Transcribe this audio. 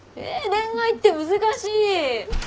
恋愛って難しい！